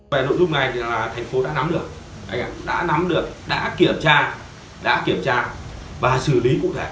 về nội dung này thì là thành phố đã nắm được đã kiểm tra và xử lý cụ thể